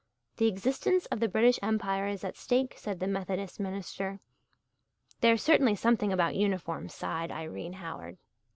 "The existence of the British Empire is at stake," said the Methodist minister. "There's certainly something about uniforms," sighed Irene Howard.